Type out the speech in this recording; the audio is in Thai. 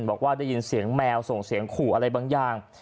บอกว่าได้ยินเสียงแมวส่งเสียงขู่อะไรบางอย่าง